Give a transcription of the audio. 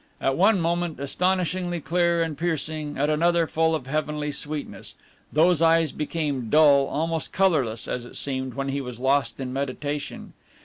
At one moment astonishingly clear and piercing, at another full of heavenly sweetness, those eyes became dull, almost colorless, as it seemed, when he was lost in meditation.